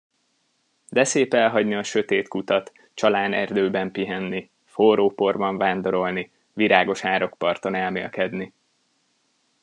De szép elhagyni a sötét kutat, csalánerdőben pihenni, forró porban vándorolni, virágos árokparton elmélkedni!